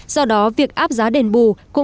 do đó việc áp giá đền bù cũng như giải ngân tiền